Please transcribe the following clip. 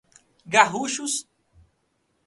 Garruchos